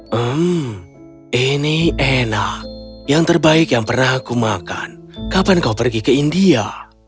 hmm ini enak yang terbaik yang pernah aku makan kapan kau pergi ke india